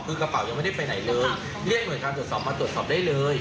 คือกระเป๋ายังไม่ได้ไปไหนเลยเรียกหน่วยการตรวจสอบมาตรวจสอบได้เลย